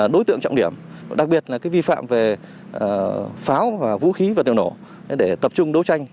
động điểm đặc biệt là vi phạm về pháo và vũ khí vật liệu nổ để tập trung đấu tranh